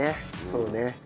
そうね。